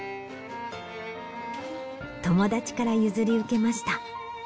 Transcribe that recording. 友達から譲り受けました。